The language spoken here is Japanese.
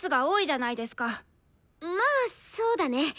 まあそうだね。